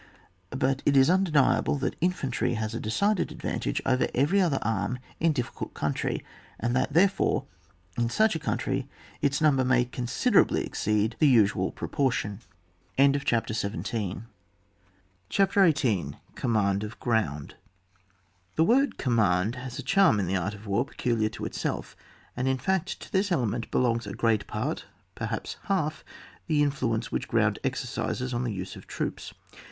But it is undeniable that infantry has a decided advantage over every other arm in difficult country, and that, there fore, in such a country its number may considerably exceed the usual propor tion. 64 ON WAR. [book y. CHAPTER XVIII. COMMAND OF GROUND. Thb word " oommand '* has a charm in the art of war peculiar to itself, and in fact to this element belongs a great part, perhaps half the influence which ground exercises on the use of troops.